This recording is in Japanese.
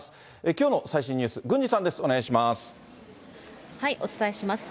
きょうの最新ニュース、郡司さんです、お願いします。